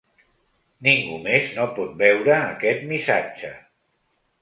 Ningú més no pot veure aquest missatge.